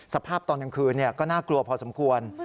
สภาพตอนกลางคืนก็น่ากลัวพอสมควร